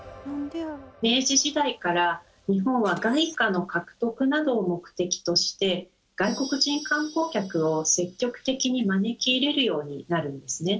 明治時代から日本は外貨の獲得などを目的として外国人観光客を積極的に招き入れるようになるんですね。